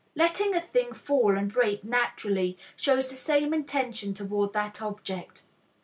Letting a thing fall and break naturally shows the same intention toward that object.